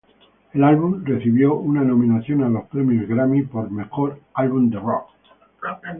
El álbum recibió una nominación a los Premios Grammy por "Mejor Álbum de Rock".